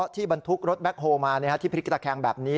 ที่บันทุกข์รถแบคโฮล์มาที่พฤติกระแคงแบบนี้